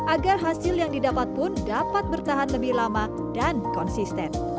agar hasil yang didapat pun dapat bertahan lebih lama dan konsisten